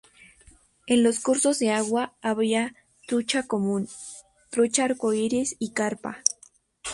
En los cursos de agua habría trucha común, trucha arco iris y carpa.